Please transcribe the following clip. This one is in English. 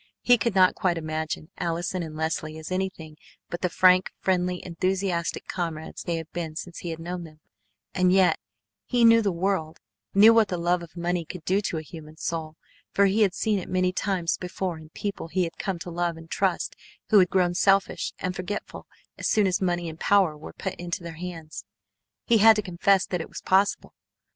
He could not quite imagine Allison and Leslie as anything but the frank, friendly, enthusiastic comrades they had been since he had known them and yet he knew the world, knew what the love of money could do to a human soul, for he had seen it many times before in people he had come to love and trust who had grown selfish and forgetful as soon as money and power were put into their hands. He had to confess that it was possible.